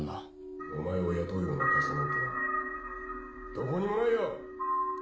お前を雇うような会社なんてなどこにもないよ。